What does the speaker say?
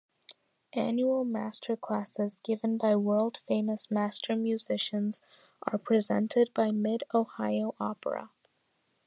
Annual masterclasses given by world-famous master musicians are presented by Mid-Ohio Opera.